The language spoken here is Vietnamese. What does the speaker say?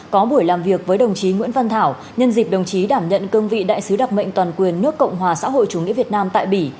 có buổi làm việc với đồng chí nguyễn văn thảo nhân dịp đồng chí đảm nhận cương vị đại sứ đặc mệnh toàn quyền nước cộng hòa xã hội chủ nghĩa việt nam tại bỉ